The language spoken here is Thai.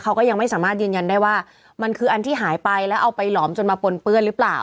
เขาก็ยังไม่สามารถยืนยันได้ว่ามันคืออันที่หายไปแล้วเอาไปหลอมจนมาปนเปื้อนหรือเปล่า